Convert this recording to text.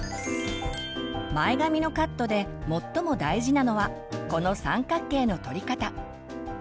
前髪のカットで最も大事なのはこの三角形のとり方。